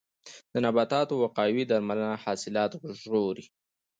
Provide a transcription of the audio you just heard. د نباتاتو وقایوي درملنه حاصلات ژغوري.